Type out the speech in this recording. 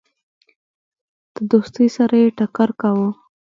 د دوستی سره یې ټکر کاوه.